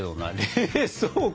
冷蔵庫！